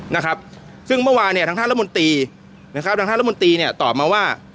นะครับซึ่งเมื่อวานเนี่ยทางท่านรัฐมนตรีนะครับทางท่านรัฐมนตรีเนี่ยตอบมาว่า